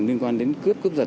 liên quan đến cướp cướp giật